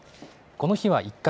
この日は１回。